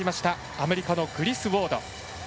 アメリカのグリスウォード。